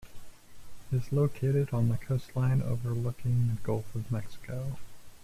It is located on the coastline overlooking the Gulf of Mexico.